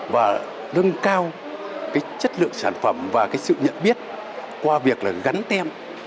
và nâng cao chất lượng sản phẩm và sự nhận biết qua việc gắn tem